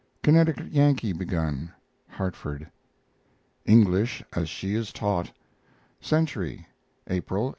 CONNECTICUT YANKEE begun (Hartford). ENGLISH AS SHE IS TAUGHT Century, April, 1887.